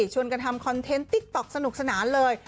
ชวนกันทำคอนเทนต์ติ๊กต๊อกสนุกสนานเลย